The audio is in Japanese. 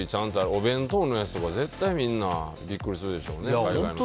お弁当のやつとか絶対みんなビックリするでしょうね。